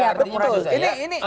ya artinya jauh dari itu